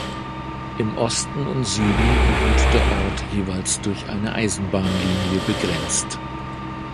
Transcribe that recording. Im Osten und Süden wird der Ort jeweils durch eine Eisenbahnlinie begrenzt.